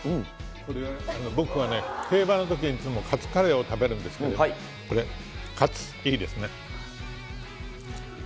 これ、僕はね、のとき、カツカレーを食べるんですけど、これ、カツいいですね。